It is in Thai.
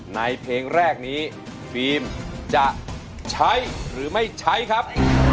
ในเพลงแรกนี้ฟิล์มจะใช้หรือไม่ใช้ครับ